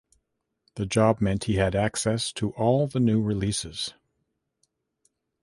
The job meant he had access to all the new releases.